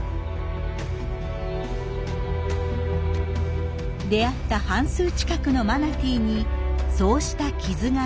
出会った半数近くのマナティーにそうした傷がありました。